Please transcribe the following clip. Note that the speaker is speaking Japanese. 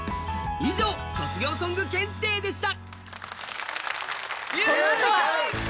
以上、卒業ソング検定でした。